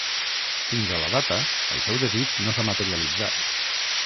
Fins a la data, el seu desig no s'ha materialitzat.